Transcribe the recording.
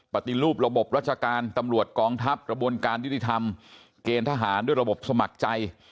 ปฏิรูประบบราชการตำรวจกองทัพกระบวนการยุติธรรมเกณฑ์ทหารด้วยระบบสมัครใจ